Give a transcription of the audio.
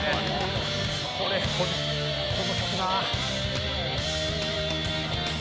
「これこの曲な」